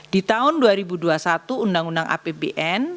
di tahun dua ribu dua puluh satu undang undang apbn